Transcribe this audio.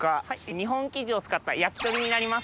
日本キジを使った焼き鳥になります。